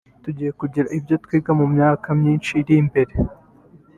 Tugiye kugira ibyo twiga mu myaka myinshi iri imbere